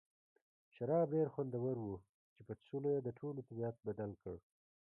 شراب ډېر خوندور وو چې په څښلو یې د ټولو طبیعت بدل کړ.